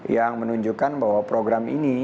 yang menunjukkan bahwa program ini